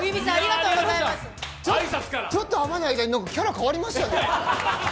ちょっと会わない間にキャラ変わりましたね？